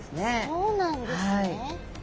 そうなんですね！